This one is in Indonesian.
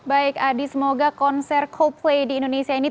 baik adi semoga konser coldplay di indonesia ini